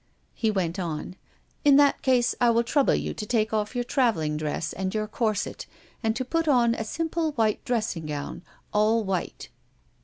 He went on: "In that case, I will trouble you to take off your traveling dress and your corset, and to put on a simple white dressing gown, all white."